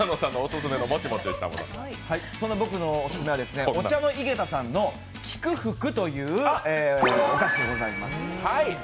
そんな僕のオススメは、お茶の井ヶ田さんの喜久福というお菓子でございます。